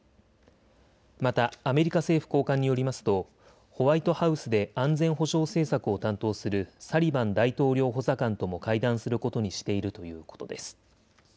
またアメリカ政府高官によりますとホワイトハウスで安全保障政策を担当するサリバン大統領補佐官とも会談することにしているということです。